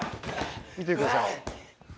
見ててください。